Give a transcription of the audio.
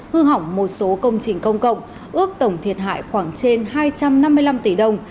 hư hỏng một số công trình công cộng ước tổng thiệt hại khoảng trên hai trăm năm mươi năm tỷ đồng